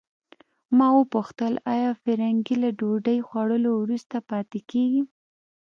ما وپوښتل آیا فرګي له ډوډۍ خوړلو وروسته پاتې کیږي.